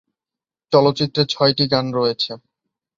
চলচ্চিত্রে ছয়টি গান রয়েছে।